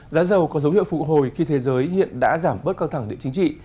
giá dầu có dấu hiệu phụ hồi khi thế giới hiện đã giảm bớt căng thẳng địa chính trị